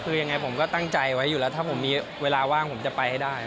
คือยังไงผมก็ตั้งใจไว้อยู่แล้วถ้าผมมีเวลาว่างผมจะไปให้ได้